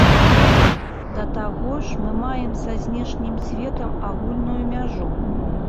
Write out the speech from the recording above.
Да таго ж мы маем са знешнім светам агульную мяжу.